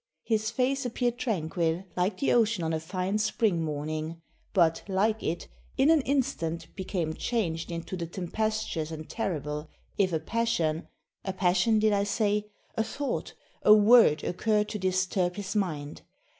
His face appeared tranquil like the ocean on a fine spring morning, but, like it, in an instant became changed into the tempestuous and terrible, if a passion (a passion did I say?), a thought, a word occurred to disturb his mind.